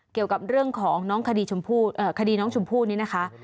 เกี่ยวกับเรื่องของน้องคดีน้องชมพู่นี้นะคะ